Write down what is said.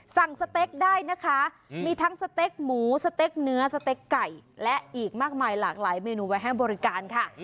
สเต็กได้นะคะมีทั้งสเต็กหมูสเต็กเนื้อสเต็กไก่และอีกมากมายหลากหลายเมนูไว้ให้บริการค่ะ